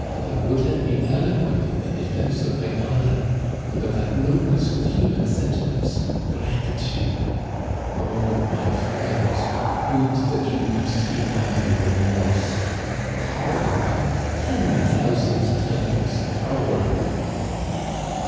I would have been eloquent in the defense of my honor, and of that noblest of human sentiments, gratitude. Oh, my friends, would that you could see my remorse ! Coward, ten thousand times coward